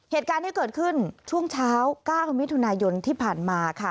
เหตุการณ์ที่เกิดขึ้นช่วงเช้า๙มิถุนายนที่ผ่านมาค่ะ